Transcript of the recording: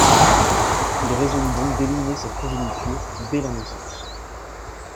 Il résolut donc d'éliminer sa progéniture dès la naissance.